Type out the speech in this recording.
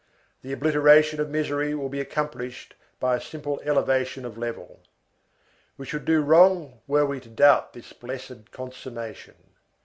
The obliteration of misery will be accomplished by a simple elevation of level. We should do wrong were we to doubt this blessed consummation.